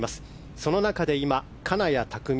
その中で、今は金谷拓実